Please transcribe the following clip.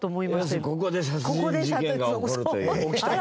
要するにここで殺人事件が起こるという。